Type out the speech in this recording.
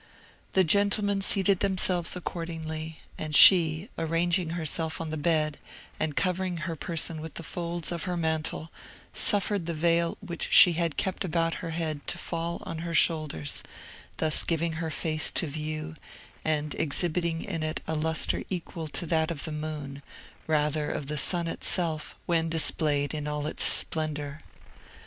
The gentlemen seated themselves accordingly, and she, arranging herself on the bed, and covering her person with the folds of her mantle, suffered the veil which she had kept about her head to fall on her shoulders, thus giving her face to view, and exhibiting in it a lustre equal to that of the moon, rather of the sun itself, when displayed in all its splendour.